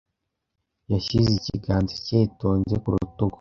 Yashyize ikiganza cye yitonze ku rutugu.